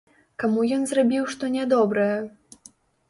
Каму ён зрабіў што нядобрае?